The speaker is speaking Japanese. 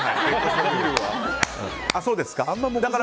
そうですか。